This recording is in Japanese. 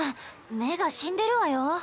目が死んでるわよ。